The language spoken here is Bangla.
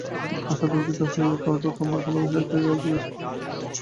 আশা দুঃখিত হইয়া ভাবিত, তবে তো আমার ভালোবাসায় একটা কী অসম্পূর্ণতা আছে।